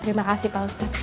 terima kasih pak ustadz